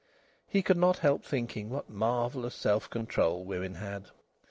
He could not help thinking what marvellous self control women had.